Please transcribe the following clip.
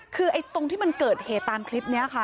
คือตรงที่มันเกิดเหตุตามคลิปนี้ค่ะ